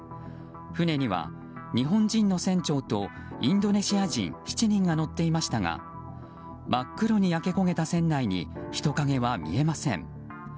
船には日本人の船長とインドネシア人７人が乗っていましたが真っ黒に焼け焦げた船内に人影は見えません。